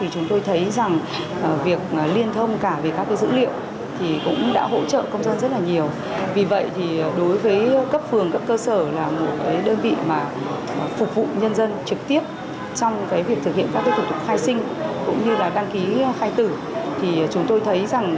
chúng tôi thấy việc thủ tục liên thông rất là thuận tiện cho người dân